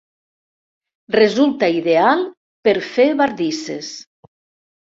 Resulta ideal per fer bardisses.